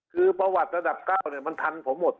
คือประวัติระดับ๙มันทันผมหมด